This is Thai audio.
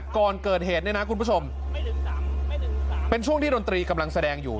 ก่อนเกิดเหตุเนี่ยนะคุณผู้ชมเป็นช่วงที่ดนตรีกำลังแสดงอยู่